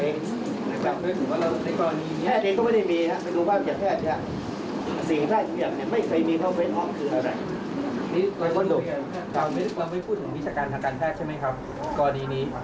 เราไม่พูดถึงวิชาการทางการแพทย์ใช่ไหมครับกรณีนี้